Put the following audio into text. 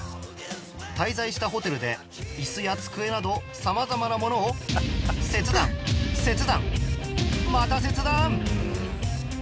滞在したホテルで椅子や机など様々なものを切断切断また切断！